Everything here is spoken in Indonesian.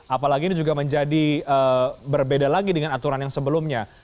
apalagi ini juga menjadi berbeda lagi dengan aturan yang sebelumnya